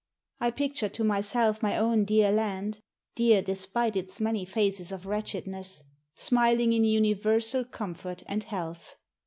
I pictured to myself my own dear land dear, despite its many phases of wretchedness smiling in universal comfort and health.